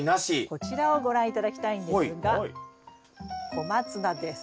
こちらをご覧頂きたいんですがコマツナです。